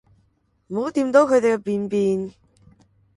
唔好掂到佢哋嘅便便